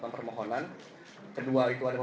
apakah itu benar